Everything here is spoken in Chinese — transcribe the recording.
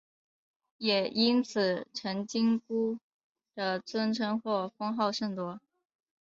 也因此陈靖姑的尊称或封号甚多。